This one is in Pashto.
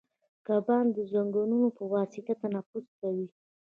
کبان د زګونو په واسطه تنفس کوي